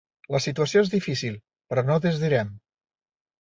La situació és difícil, però no desdirem.